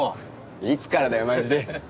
いつからだよマジで。